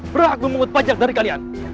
berhak membuat pajak dari kalian